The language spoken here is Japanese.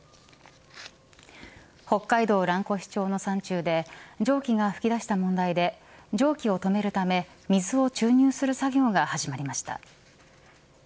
北海道蘭越町の山中で蒸気が噴き出した問題で蒸気を止めるため水を注入する作業が始まりました。